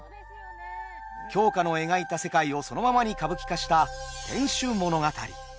鏡花の描いた世界をそのままに歌舞伎化した「天守物語」。